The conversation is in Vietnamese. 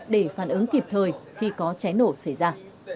để phản ứng kịp thời khi có cháy nổ xảy ra